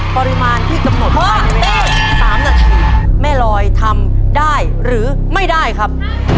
ปริมาณที่กำหนดว่า๓นาทีแม่ลอยทำได้หรือไม่ได้ครับ